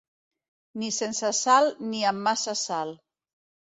Ni sense sal ni amb massa sal.